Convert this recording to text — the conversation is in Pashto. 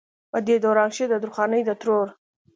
پۀ دې دوران کښې د درخانۍ د ترور